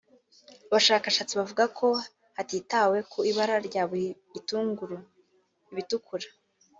Abashakashati bavuga ko hatitawe ku ibara rya buri gitunguru (ibitukura